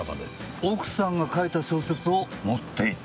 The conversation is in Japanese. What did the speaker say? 奥さんが書いた小説を持っていた。